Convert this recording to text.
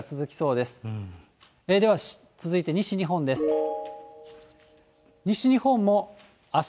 では続いて西日本です。